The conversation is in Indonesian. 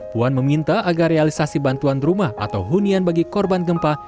puan meminta agar realisasi bantuan rumah atau hunian bagi korban gempa